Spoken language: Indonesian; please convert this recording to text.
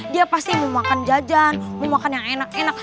dia pasti mau makan jajan mau makan yang enak enak